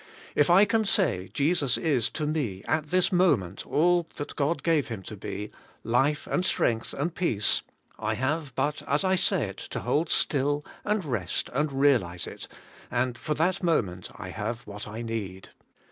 If I can say, * Jesus is to me at this moment all that God gave Him to be, — life, and strength, and peace,' — I have but as I say it to hold still, and rest, and realise it, and for that moment I have what I need.